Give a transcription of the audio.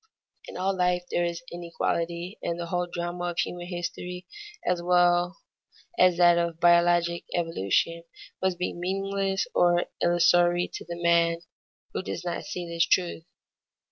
In all life there is inequality, and the whole drama of human history as well as that of biologic evolution must be meaningless or illusory to the man who does not see this truth.